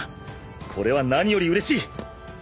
これは何よりうれしい。